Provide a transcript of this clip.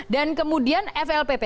dan kemudian flpp